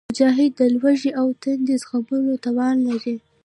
مجاهد د لوږې او تندې زغملو توان لري.